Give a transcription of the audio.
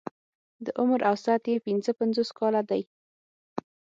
د عمر اوسط يې پنځه پنځوس کاله دی.